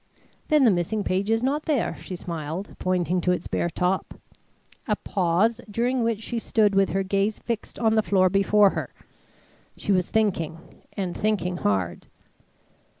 "Then the missing page is not there," she smiled, pointing to its bare top. A pause, during which she stood with her gaze fixed on the floor before her. She was thinking and thinking hard.